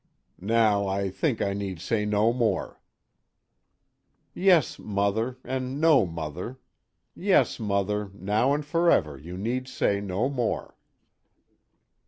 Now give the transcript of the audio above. Now I think I need say no more." _Yes, Mother, and No, Mother. Yes, Mother, now and forever you need say no more.